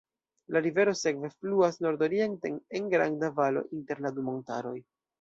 La rivero sekve fluas nordorienten, en granda valo inter la du montaroj.